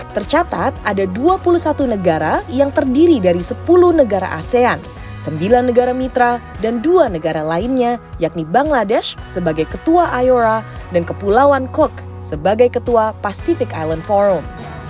tercatat ada dua puluh satu negara yang terdiri dari sepuluh negara asean sembilan negara mitra dan dua negara lainnya yakni bangladesh sebagai ketua ayora dan kepulauan kok sebagai ketua pacific island forum